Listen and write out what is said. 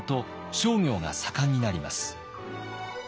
商業が盛んになります。